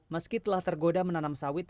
meski telah tergoda menanam sawit